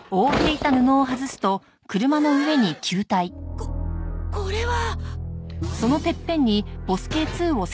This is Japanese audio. ここれは？